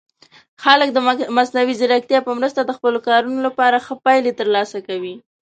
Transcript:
خلک د مصنوعي ځیرکتیا په مرسته د خپلو کارونو لپاره ښه پایلې ترلاسه کوي.